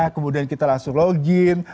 kemudian kita langsung login